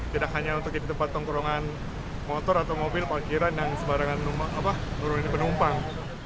tidak hanya untuk di tempat tongkurungan motor atau mobil parkiran yang sebarangan penumpang